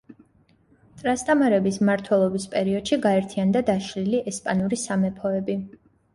ტრასტამარების მმართველობის პერიოდში გაერთიანდა დაშლილი ესპანური სამეფოები.